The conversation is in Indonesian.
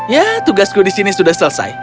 ya tugasku di sini sudah selesai